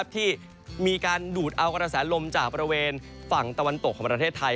ที่มีการดูดเอากระแสลมจากบริเวณฝั่งตะวันตกของประเทศไทย